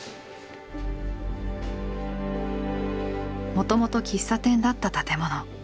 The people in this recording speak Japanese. もともと喫茶店だった建物。